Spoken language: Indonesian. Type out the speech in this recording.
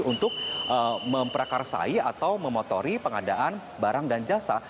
untuk memperakarsai atau memotori pengadaan barang dan jasa